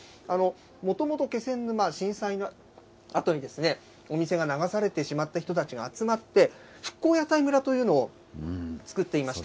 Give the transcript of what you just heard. もともと気仙沼、震災のあとに、お店が流されてしまった人たちが集まって、復興屋台村というのを作っていました。